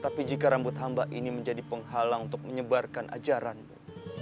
tapi jika rambut hamba ini menjadi penghalang untuk menyebarkan ajaranmu